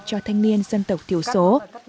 cho thanh niên dân tộc thiếu số